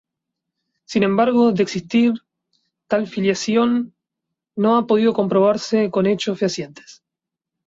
Sin embargo, de existir tal filiación, no ha podido comprobarse con hechos fehacientes.